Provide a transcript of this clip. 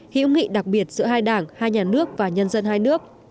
hữu nghị đặc biệt giữa hai đảng hai nhà nước và nhân dân hai nước